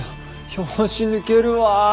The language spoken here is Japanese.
拍子抜けるわ。